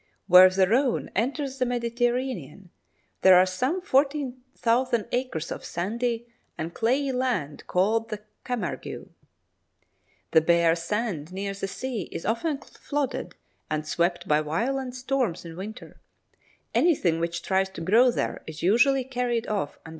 Where the Rhone enters the Mediterranean, there are some 40,000 acres of sandy and clayey land called the Camargue. The bare sand near the sea is often flooded and swept by violent storms in winter; anything which tries to grow there is usually carried[75 b] off and destroyed.